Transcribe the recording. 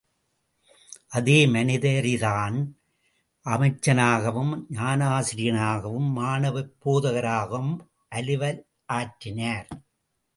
அதே மனிதரிதான், அமைச்சனாகவும், ஞானாசிரியனாகவும், மாணவப் போதகராகவும் அலுவலாற்றினார்.